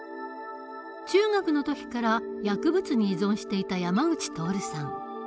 中学の時から薬物に依存していた山口徹さん。